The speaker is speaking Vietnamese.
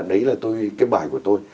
đấy là cái bài của tôi